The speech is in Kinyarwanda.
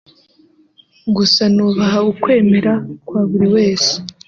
gusa nubaha ukwemera kwa buri wese